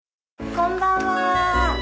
こんばんは！